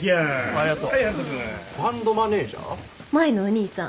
舞のお兄さん。